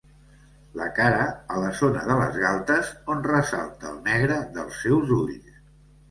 La cara, a la zona de les galtes, on ressalta el negre dels seus ulls.